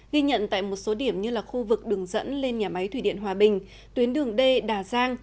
ghi nhận tại một số điểm như là khu vực đường dẫn lên nhà máy thủy điện hòa bình tuyến đường d đà giang